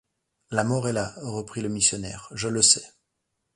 La mort est là, reprit le missionnaire, je le sais!